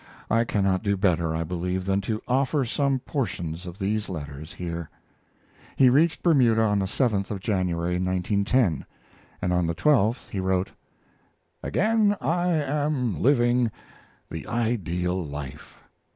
I cannot do better, I believe, than to offer some portions of these letters here. He reached Bermuda on the 7th of January, 1910, and on the 12th he wrote: Again I am living the ideal life.